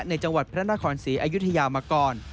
จังหวัดพระนครศรีอยุธยามาก่อน